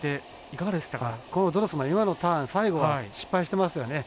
今のターン最後失敗してますよね。